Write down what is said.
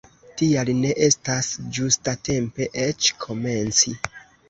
Tial ne estas ĝustatempe eĉ komenci!